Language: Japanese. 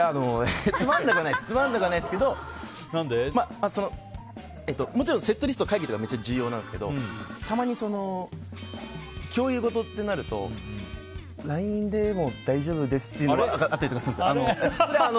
つまらなくはないですけどもちろんセットリストの会議とかめっちゃ重要なんですけどたまに共有事ってなるとＬＩＮＥでも大丈夫ですっていうのがあったりするんですよ。